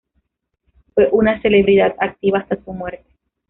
Fue una celebridad activa hasta su muerte.